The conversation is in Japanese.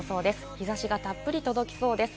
日差しがたっぷり届きそうです。